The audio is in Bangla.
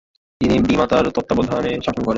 তিনি বিমাতার তত্ত্বাবধানে শাসন করেন।